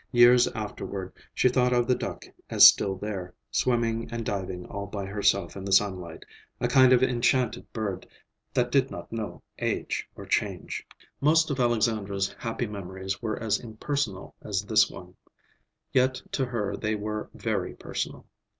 Years afterward she thought of the duck as still there, swimming and diving all by herself in the sunlight, a kind of enchanted bird that did not know age or change. Most of Alexandra's happy memories were as impersonal as this one; yet to her they were very personal.